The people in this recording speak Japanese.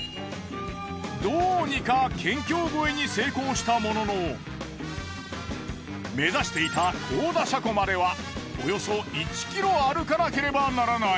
どうにか県境越えに成功したものの目指していた幸田車庫まではおよそ１ｋｍ歩かなければならない。